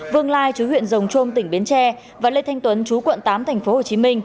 vương lai chú huyện rồng trôm tỉnh bến tre và lê thanh tuấn chú quận tám tp hcm